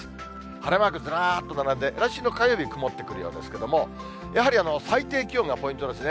晴れマークずらっと並んで、来週の火曜日に曇ってくるようですけれども、やはり最低気温がポイントですね。